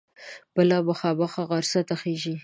بله مخامخ غره ته خیژي.